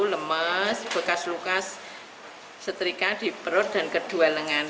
lemes bekas lukas setrika di perut dan kedua lengan